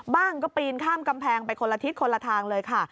บ้างก็ปีนข้ามกำแพงไปคนละทิศคนละทางเลยค่ะ